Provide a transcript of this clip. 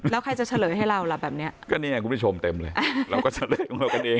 แล้วใครจะเฉลยให้เราล่ะแบบนี้ก็นี่ไงคุณผู้ชมเต็มเลยเราก็เฉลยของเรากันเอง